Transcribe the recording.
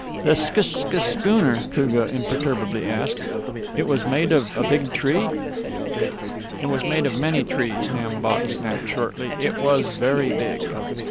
"This sch sch schooner," Koogah imperturbably asked; "it was made of a big tree?" "It was made of many trees," Nam Bok snapped shortly. "It was very big."